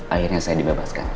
akhirnya saya dibebaskan